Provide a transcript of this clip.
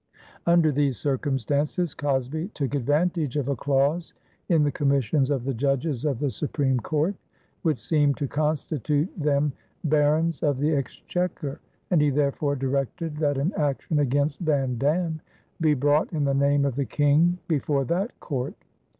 Under these circumstances Cosby took advantage of a clause in the commissions of the judges of the Supreme Court which seemed to constitute them Barons of the Exchequer, and he therefore directed that an action against Van Dam be brought in the name of the King before that court.